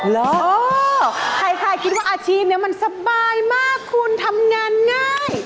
เออใครคิดว่าอาชีพนี้มันสบายมากคุณทำงานง่าย